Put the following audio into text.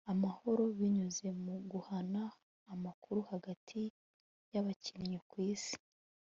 amahoro binyuze mu guhana amakuru hagati y'abakinnyi ku isi